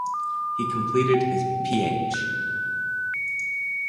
He completed his Ph.